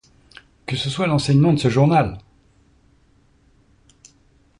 Que ce soit l’enseignement de ce journal !